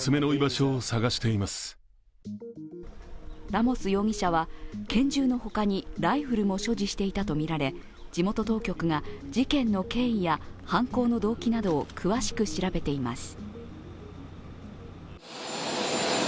ラモス容疑者は拳銃の他にライフルも所持していたとみられ、地元当局が事件の経緯や犯行の動機などを詳しく調べています。